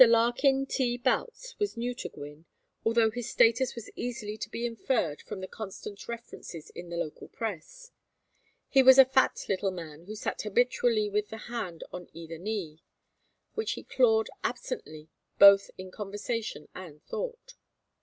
Larkin T. Boutts was new to Gwynne, although his status was easily to be inferred from the constant references in the local press. He was a fat little man who sat habitually with a hand on either knee, which he clawed absently both in conversation and thought.